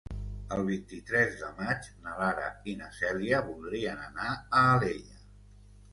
El vint-i-tres de maig na Lara i na Cèlia voldrien anar a Alella.